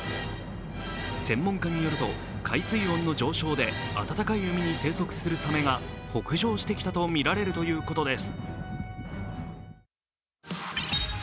専門家によると、海水温の上昇で暖かい海に生息するサメが北上してきたとみられるということです。